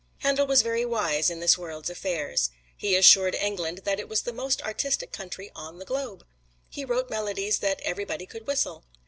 Handel was very wise in this world's affairs. He assured England that it was the most artistic country on the globe. He wrote melodies that everybody could whistle.